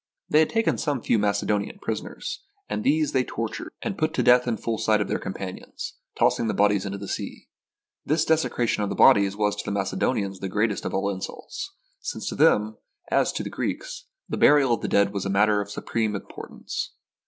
They had taken some few Macedonians prisoners, and these they tortured and THE BOOK OF FAMOUS SIEGES put to death in full sight of their companions, toss ing the bodies into the sea. This desecration of the bodies was to the Macedonians the greatest of all insults, since to them, as to the Greeks, the burial of the dead was a matter of supreme impor tance.